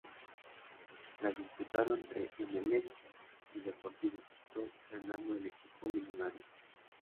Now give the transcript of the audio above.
La disputaron entre Emelec y Deportivo Quito, ganando el equipo millonario.